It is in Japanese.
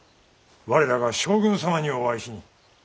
我らが将軍様にお会いしに。